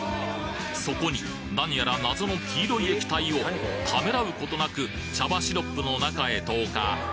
そこに何やら謎の黄色い液体をためらうことなく茶葉シロップの中へ投下